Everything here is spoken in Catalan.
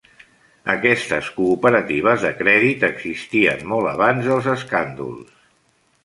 Aquestes cooperatives de crèdit existien molt abans dels escàndols.